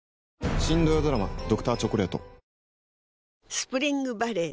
スプリングバレー